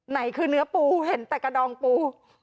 ไหนคือเนื้อปูเห็นแต่กระดองปู